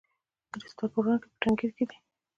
کریستال پلورونکی په تنګیر کې دی.